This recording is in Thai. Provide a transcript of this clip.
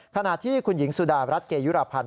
ขณะที่คุณหญิงสุดารัฐเกยุรพันธ์